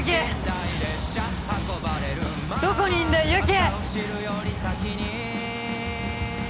どこにいんだよユキ！